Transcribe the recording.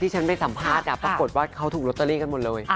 ที่ฉันไปสัมภาษณ์ปรากฏว่าเขาถูกัตรธุริกันหมดเลย